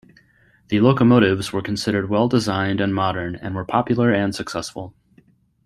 The locomotives were considered well designed and modern, and were popular and successful.